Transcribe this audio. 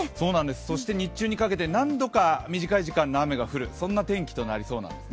そして日中にかけて、何度か短い時間の雨が降るそんな天気となりそうですね。